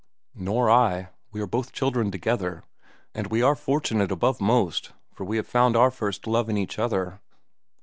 "Nor I. We are both children together. And we are fortunate above most, for we have found our first love in each other."